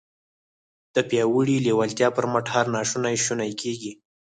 د پياوړې لېوالتیا پر مټ هر ناشونی شونی کېږي.